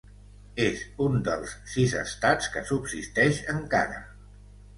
És un dels sis estats que subsisteix encara.